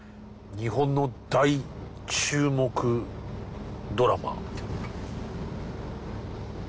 日本の大注目ドラマ。